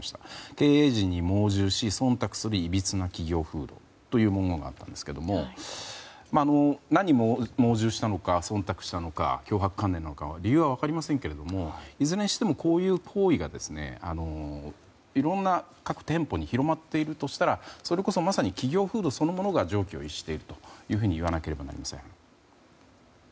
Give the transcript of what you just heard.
経営陣に盲従し忖度するいびつな企業風土。という文言があったんですが何を盲従したのか、忖度したのか強迫観念なのか理由は分かりませんけどもいずれにしても、こういう行為がいろんな各店舗に広まっているとしたらそれこそ、まさに企業風土そのものが常軌を逸しているといわなければなりません。